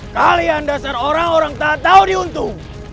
kalian dasar orang orang tak tahu diuntung